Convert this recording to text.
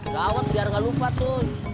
dawat biar gak lupa cuy